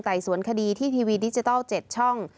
สวนคดีที่ทีวีดิจิทัล๗ช่อง